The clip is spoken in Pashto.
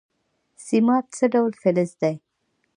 سیماب څه ډول فلز دی؟